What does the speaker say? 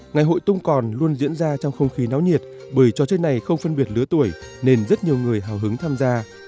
ngày hội tung còn luôn diễn ra trong không khí náo nhiệt bởi trò chơi này không phân biệt lứa tuổi nên rất nhiều người hào hứng tham gia